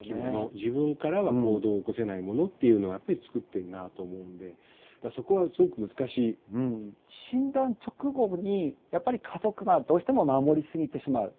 自分からは行動を起こせないものっていうのをやっぱり作ってるなあと思うのでだからそこはすごく難しい。診断直後にやっぱり過保護になってしまう。